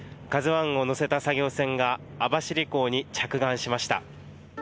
ＫＡＺＵＩを載せた作業船が網走港に着岸しました。